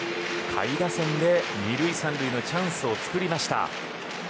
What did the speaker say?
下位打線で２塁３塁のチャンスを作りました。